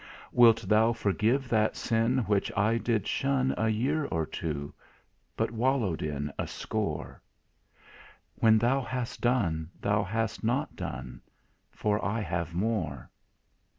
Wilt Thou forgive that sin which I did shun A year or two: but wallow'd in a score? When Thou hast done, Thou hast not done, For I have more.